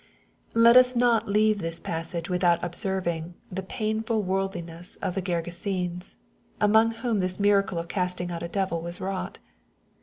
Let us not leave this passage without observing the pain/td worldlinesa of the Gergesenes, among whom this miracle of casting out a devil was wrought.